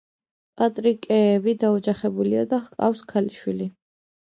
პატრიკეევი დაოჯახებულია და ჰყავს ქალიშვილი.